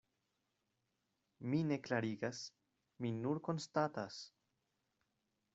Mi ne klarigas, mi nur konstatas.